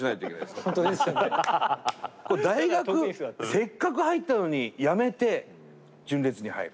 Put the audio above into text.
せっかく入ったのにやめて純烈に入る。